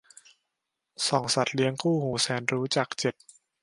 ส่องสัตว์เลี้ยงคู่หูแสนรู้ จาก เจ็ด